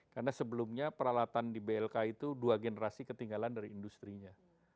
karena sebelumnya peralatan di blk itu dua generasi ketinggalan dari industri nya